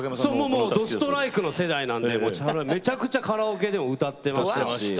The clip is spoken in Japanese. もうドストライクの世代なんでめちゃくちゃカラオケでも歌ってました。